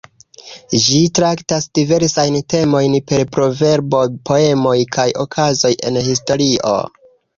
Ĝi traktas diversajn temojn per proverboj, poemoj, kaj okazoj en historio.